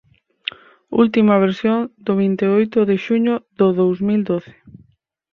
Última versión do vinte e oito de xuño do dous mil doce